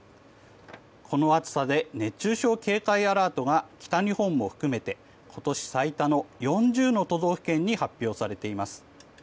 この暑さで熱中症警戒アラートが北日本も含めて今年最多の４０の都道府県に発表されています。